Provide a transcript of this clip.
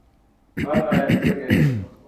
হা-না, এক সেকেন্ড!